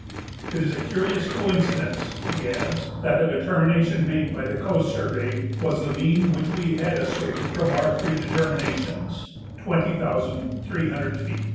"It is a curious coincidence," he adds, "that the determination made by the Coast Survey was the mean which we had assumed from our three determinations" (twenty thousand three hundred feet).